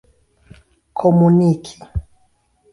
komuniki